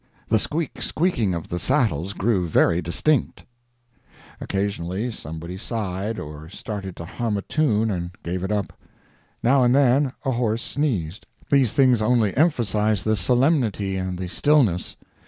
The squeak squeaking of the saddles grew very distinct; occasionally somebody sighed, or started to hum a tune and gave it up; now and then a horse sneezed. These things only emphasized the solemnity and the stillness.